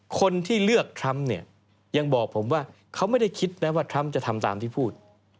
คนที่เลือกทรัมป์เนี่ยยังบอกผมว่าเขาไม่ได้คิดนะว่าทรัมป์จะทำตามที่พูด